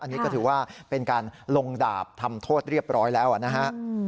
อันนี้ก็ถือว่าเป็นการลงดาบทำโทษเรียบร้อยแล้วนะฮะ